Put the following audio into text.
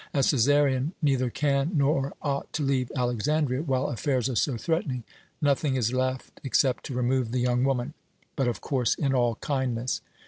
As Cæsarion neither can nor ought to leave Alexandria while affairs are so threatening, nothing is left except to remove the young woman but, of course, in all kindness."